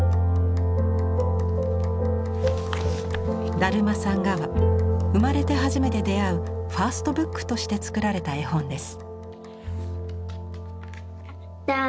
「だるまさんが」は生まれて初めて出会うファーストブックとして作られた絵本です。